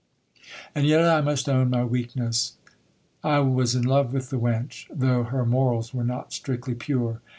And yet I must own my weakness. I was in love with the wench, though her morals were not strictly pure.